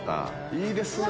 いいですね！